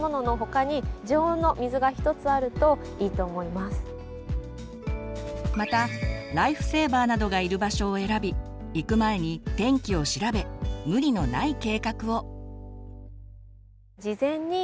おすすめとしては意外とまたライフセーバーなどがいる場所を選び行く前に天気を調べ無理のない計画を。